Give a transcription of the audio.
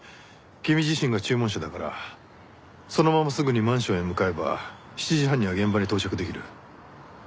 君自身が注文者だからそのまますぐにマンションへ向かえば７時半には現場に到着できる。